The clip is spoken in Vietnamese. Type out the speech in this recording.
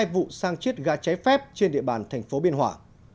hai vụ sang chiết gà cháy phép trên địa bàn tp biên hòa